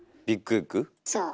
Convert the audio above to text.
そう。